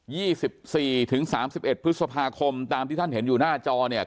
สิบสี่ถึงสามสิบเอ็ดพฤษภาคมตามที่ท่านเห็นอยู่หน้าจอเนี่ย